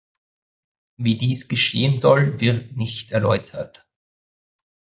Wie dies geschehen soll wird nicht erläutert.